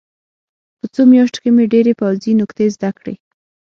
په څو میاشتو کې مې ډېرې پوځي نکتې زده کړې